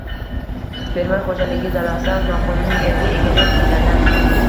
Fermer xoʼjaligi dalasidan noqonuniy yerga egalik qilganlar